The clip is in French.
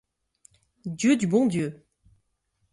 Dieu du bon Dieu!